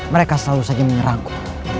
mereka selalu saja menyerangku